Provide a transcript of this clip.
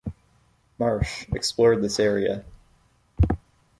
Marsh, explored this area.